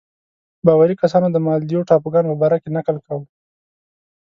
باوري کسانو د مالدیو ټاپوګانو په باره کې نکل کاوه.